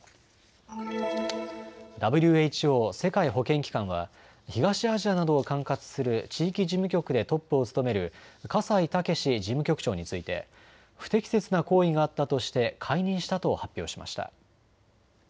ＷＨＯ・世界保健機関は東アジアなどを管轄する地域事務局でトップを務める葛西健事務局長について不適切な行為があったとして解任したと発表しました。